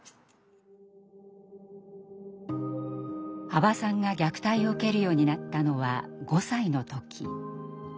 羽馬さんが虐待を受けるようになったのは５歳の時。